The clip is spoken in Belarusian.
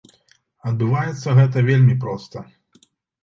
Адбываецца гэта вельмі проста.